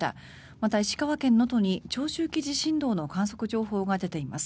また、石川県能登に長周期地震動の観測が出ています。